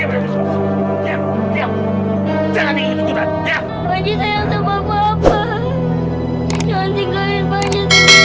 bapak jangan tinggalkan banyak banyaknya